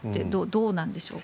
どうなんでしょうか。